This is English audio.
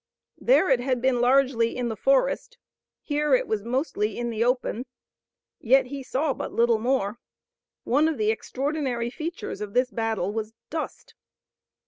There it had been largely in the forest, here it was mostly in the open, yet he saw but little more. One of the extraordinary features of this battle was dust.